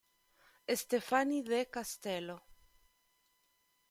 Stephani de Castello".